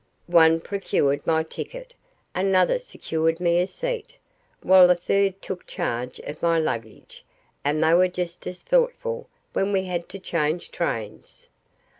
One procured my ticket, another secured me a seat, while a third took charge of my luggage; and they were just as thoughtful when we had to change trains.